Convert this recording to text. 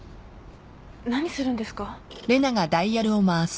何するんですか？